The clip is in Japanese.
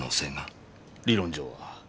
理論上は。